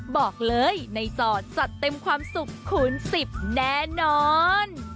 บอกเลยในจอจัดเต็มความสุขคูณ๑๐แน่นอน